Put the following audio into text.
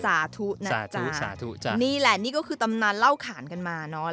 นะจ๊ะสาธุจ้ะนี่แหละนี่ก็คือตำนานเล่าขานกันมาเนอะ